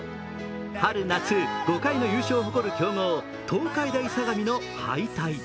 春・夏５回の優勝を誇る強豪、東海大相模の敗退。